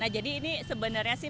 nah jadi ini sebenarnya sih